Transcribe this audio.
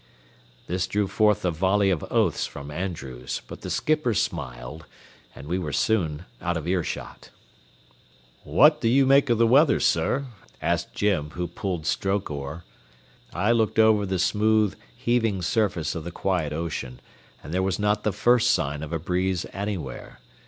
This drew forth a volley of oaths from Andrews, but the skipper smiled, and we were soon out of earshot. "What do you make of the weather, sir?" asked Jim, who pulled stroke oar. I looked over the smooth, heaving surface of the quiet ocean, and there was not the first sign of a breeze anywhere.